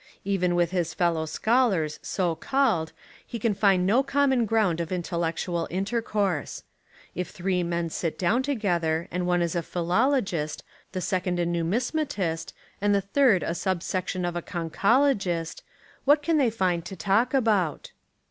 Even with his fellow scholars so called he can find no common ground of intellectual intercourse. If three men sit down together and one is a philologist, the second a numisma tist, and the third a subsection of a conchologist, what can they find to talk about?